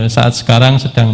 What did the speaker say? saat sekarang sedang